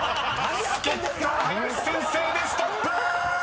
助っ人林先生でストップ！］